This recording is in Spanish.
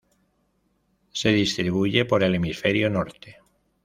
Se distribuye por el Hemisferio Norte.